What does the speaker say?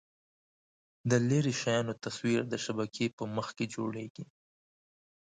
د لیرې شیانو تصویر د شبکیې په مخ کې جوړېږي.